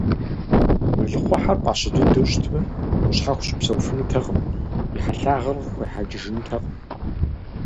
Мэлыхъуэхьэр пӀащэ дыдэу щытмэ, Къущхьэхъу щыпсэуфынутэкъым, и хьэлъагъыр къыхуехьэкӀыжынутэкъым.